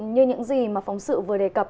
như những gì mà phóng sự vừa đề cập